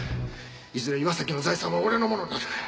いずれ岩崎の財産は俺のものになる。